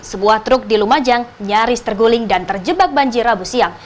sebuah truk di lumajang nyaris terguling dan terjebak banjir rabu siang